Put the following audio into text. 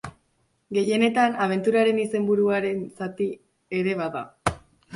Gehienetan, abenturaren izenburuaren zati ere bada.